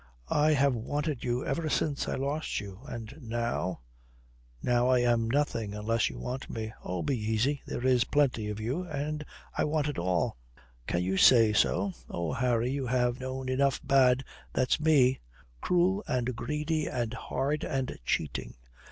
"I have wanted you ever since I lost you. And now now I am nothing unless you want me." "Oh, be easy. There is plenty of you, and I want it all." "Can you say so? Ah, Harry, you have known enough bad that's me, cruel and greedy and hard and cheating.